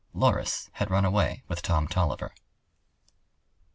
Loris had run away with Tom Tolliver.